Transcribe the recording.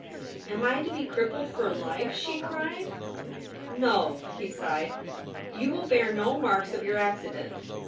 "Am I to be crippled for life?" she cried. "No," he sighed. "You will bear no marks of your accident.